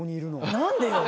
何でよ。